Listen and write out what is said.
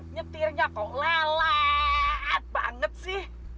nyetirnya kok lelah banget sih